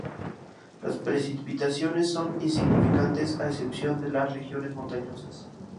Las precipitaciones son insignificantes, a excepción de las regiones montañosas.